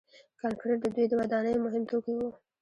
کانکریټ د دوی د ودانیو مهم توکي وو.